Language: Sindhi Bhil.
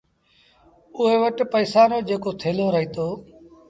اُئي وٽ پئيسآݩ رو جيڪو ٿيلو رهيٚتو